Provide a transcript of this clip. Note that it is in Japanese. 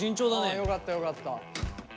あよかったよかった。